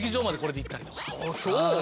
あっそう。